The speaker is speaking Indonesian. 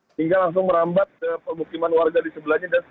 sehingga langsung merambat ke pemukiman warga di sebelahnya